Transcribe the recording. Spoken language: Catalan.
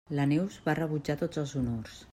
La Neus va rebutjar tots els honors.